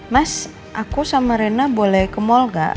mas aku sama rena boleh ke mall gak